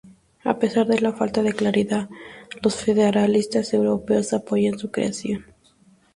A pesar de la falta de claridad, los federalistas europeos apoyan su creación.